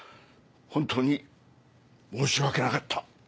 本当に申し訳なかった。